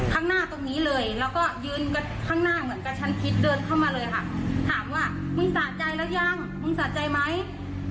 ข้างหน้าตรงนี้เลยแล้วก็ยืนข้างหน้าเหมือนกับชั้นพิษ